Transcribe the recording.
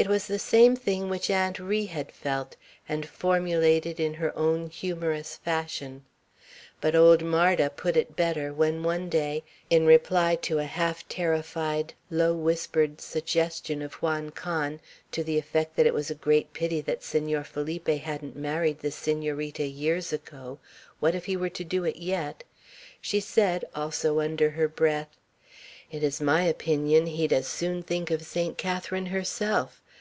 It was the same thing which Aunt Ri had felt, and formulated in her own humorous fashion. But old Marda put it better, when, one day, in reply to a half terrified, low whispered suggestion of Juan Can, to the effect that it was "a great pity that Senor Felipe hadn't married the Senorita years ago, what if he were to do it yet?" she said, also under her breath. "It is my opinion he'd as soon think of Saint Catharine herself!